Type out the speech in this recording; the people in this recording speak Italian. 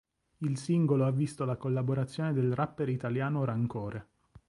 Il singolo ha visto la collaborazione del rapper italiano Rancore.